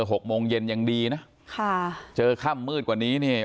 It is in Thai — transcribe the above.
หกโมงเย็นยังดีนะค่ะเจอค่ำมืดกว่านี้เนี่ย